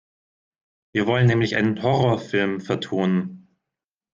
Wir wollen nämlich einen Horrorfilm vertonen.